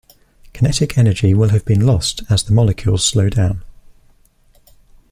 Kinetic energy will have been lost as the molecules slow down.